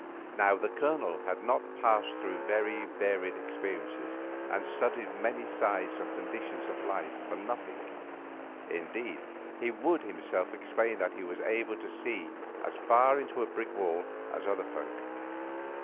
Now, the Colonel had not passed through very varied experiences and studied many sides and conditions of life for nothing; indeed, he would himself explain that he was able to see as far into a brick wall as other folk.